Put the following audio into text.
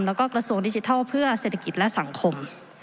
แล้วก็กระทรวงดิจิทัลเพื่อเศรษฐกิจและสังคม